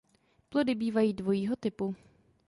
Plody bývají dvojího typu.